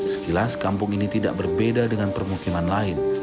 sekilas kampung ini tidak berbeda dengan permukiman lain